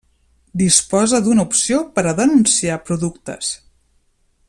Disposa d'una opció per a denunciar productes.